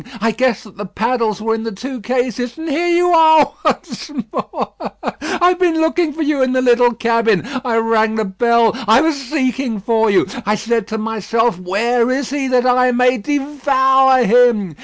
I guessed that the paddles were in the two cases. And here you are once more! I have been looking for you in the little cabin. I rang the bell. I was seeking for you. I said to myself, 'Where is he, that I may devour him?'